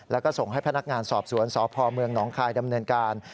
แล้วก็ส่งให้พนักงานสอบสวนสพเมืองหนองคายดำเนินการ